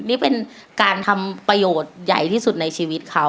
นี่เป็นการทำประโยชน์ใหญ่ที่สุดในชีวิตเขา